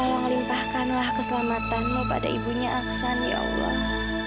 tolong limpahkanlah keselamatanmu pada ibunya aksan ya allah